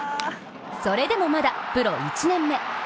それでもまだプロ１年目。